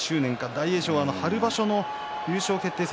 大栄翔は春場所の優勝決定戦